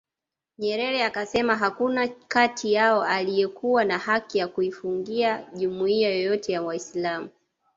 Nyerere akasema hakuna kati yao aliyekuwa na haki ya kuifungia jumuiya yoyote ya Waislam